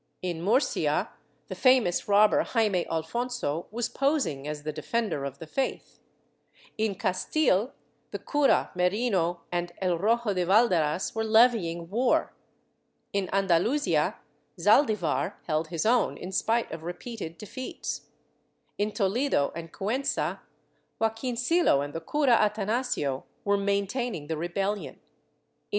In Murcia, the famous robber Jaime Alfonso was posing as the defender of the faith; in Castile, the Cura Merino and el Rojo de Valderas were levying war; in Andalusia, Zaldivar held his own in spite of repeated defeats; in Toledo and Cuenca, Joaquincillo and the Cura Atanasio were maintaining the rebellion; 1 Miraflores, Documentos, II, 32 99.